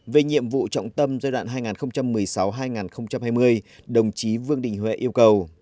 về nhiệm vụ trọng tâm giai đoạn hai nghìn một mươi sáu hai nghìn hai mươi đồng chí vương đình huệ yêu cầu